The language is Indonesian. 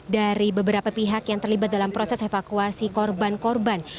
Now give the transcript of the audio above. dari beberapa pihak yang terlibat dalam proses evakuasi korban korban